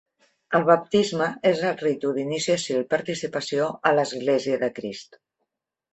El baptisme és el ritu d'iniciació i participació a l'església de Crist.